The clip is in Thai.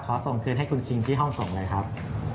ส่งคืนให้คุณคิงที่ห้องส่งเลยครับ